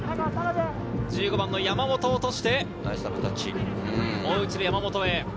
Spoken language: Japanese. １５番の山本落として、もう一度山本へ。